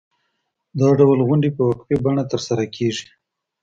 دا ډول غونډې په وقفې بڼه ترسره کېږي.